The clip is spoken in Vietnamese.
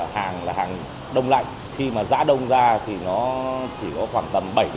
hàng là hàng đông lạnh khi mà giá đông ra thì nó chỉ có khoảng tầm bảy tám lạng